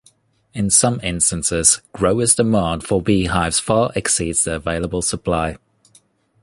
In some instances growers' demand for beehives far exceeds the available supply.